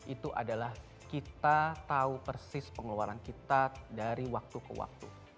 itu adalah kita tahu persis pengeluaran kita dari waktu ke waktu